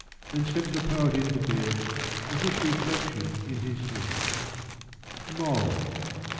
Then stepp'd the poet into bed With this reflection in his head: MORAL.